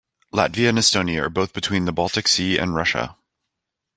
Latvia and Estonia are both between the Baltic Sea and Russia.